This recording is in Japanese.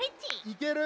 いける？